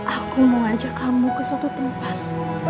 aku mau ajak kamu ke suatu tempat